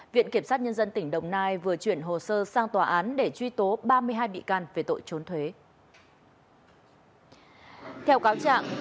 viện kiểm sát nhân dân tỉnh đồng nai vừa chuyển hồ sơ sang tòa án để truy tố ba mươi hai bị can